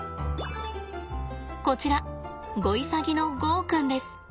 こちらゴイサギのゴーくんです。